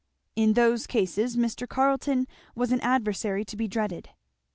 In those cases Mr. Carleton was an adversary to be dreaded.